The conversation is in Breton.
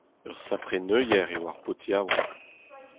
Ur sapre neuñvier eo ar paotr yaouank !